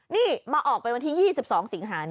นี่มาออกไปวันที่๒๒สิงหา